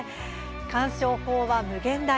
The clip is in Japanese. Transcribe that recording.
「鑑賞法は無限大！